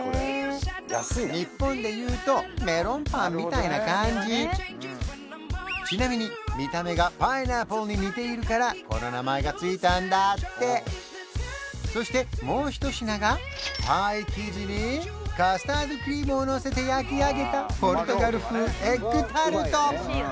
日本でいうとメロンパンみたいな感じちなみに見た目がパイナップルに似ているからこの名前がついたんだってそしてもうひと品がパイ生地にカスタードクリームをのせて焼き上げたポルトガル風エッグタルト